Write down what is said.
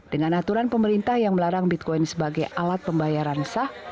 dengan aturan pemerintah yang melarang bitcoin sebagai alat pembayaran sah